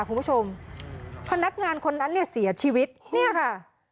พนักงานคนนั้นเนี่ยเสียชีวิตเนี่ยค่ะ